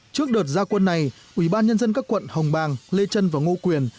trước đợt gia quân này ubnd các quận hồng bàng lê trân và ngô quyền